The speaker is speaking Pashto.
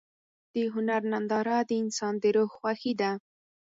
د هنر ننداره د انسان د روح خوښي ده.